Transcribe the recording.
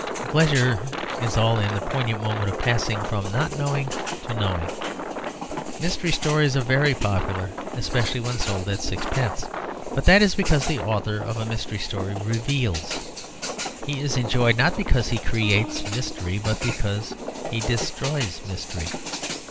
The pleasure is all in the poignant moment of passing from not knowing to knowing. Mystery stories are very popular, especially when sold at sixpence; but that is because the author of a mystery story reveals. He is enjoyed not because he creates mystery, but because he destroys mystery.